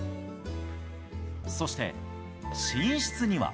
そして、寝室には。